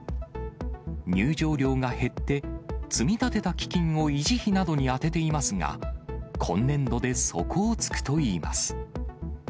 入場料が減って、積み立てた基金を維持費などに充てていますが、今年度で底をつくといいます。